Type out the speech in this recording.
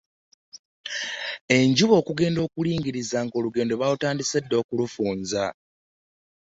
Enjuba okugenda okulingiriza ng'olugendo baalutandise dda okulufunza.